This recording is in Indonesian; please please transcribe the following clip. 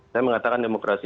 saya mengatakan demokrasi